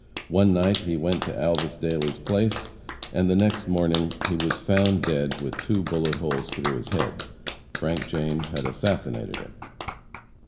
One night he went to Alvas Dailey's place, and the next morning he was found dead with two bullet holes through his head. Frank James had assassinated him.